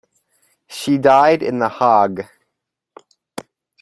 She died in The Hague.